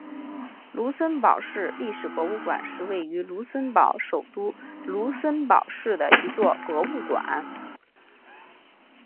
卢森堡市历史博物馆是位于卢森堡首都卢森堡市的一座博物馆。